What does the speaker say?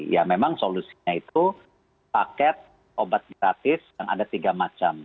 ya memang solusinya itu paket obat gratis yang ada tiga macam